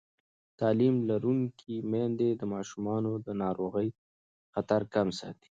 تعلیم لرونکې میندې د ماشومانو د ناروغۍ خطر کم ساتي.